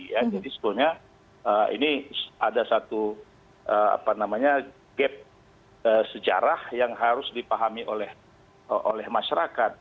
jadi sebetulnya ini ada satu gap sejarah yang harus dipahami oleh masyarakat